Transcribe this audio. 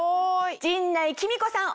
陣内貴美子さん